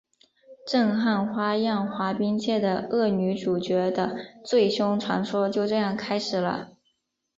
震撼花样滑冰界的恶女主角的最凶传说就这样开始了！